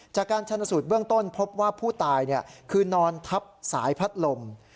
จากการชนสูตรเบื้องต้นพบว่าผู้ตายคือนอนทับสายพัดลม